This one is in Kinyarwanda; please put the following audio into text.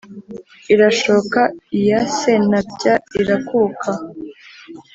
irashoka iya séntaaby írakuka